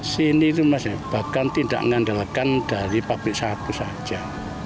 sini itu masih bahkan tidak mengandalkan dari pabrik sapu saja